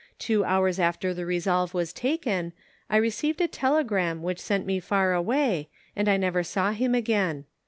Two hours after the resolve was taken, I received a telegram which sent me far away, and I never saw him again.